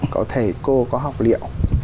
có thể cô có học liệu